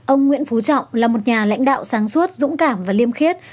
ông nguyễn phú trọng là một nhà lãnh đạo sáng suốt dũng cảm và liêm khiết